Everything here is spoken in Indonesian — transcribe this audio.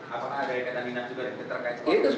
apakah ada ingatan dinas juga yang terkait